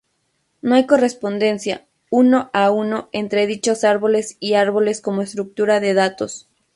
No hay correspondencia uno-a-uno entre dichos árboles y árboles como estructura de datos.